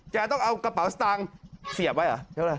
แกต้องเอากระเป๋าสตางก์เสียบไว้อะ